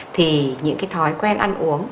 thì những cái thói quen ăn uống